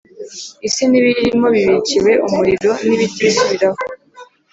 Isi n’ibiyirimo bibikiwe umuriro nibitisubiraho